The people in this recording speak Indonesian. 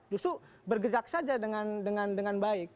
justru bergerak saja dengan baik